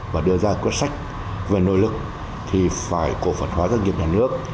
và đưa ra quyết sách về nội lực thì phải cổ phần hóa doanh nghiệp nhà nước